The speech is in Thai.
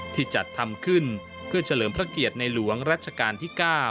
ที่จัดทำขึ้นเพื่อเฉลิมพระเกียรติในหลวงรัชกาลที่๙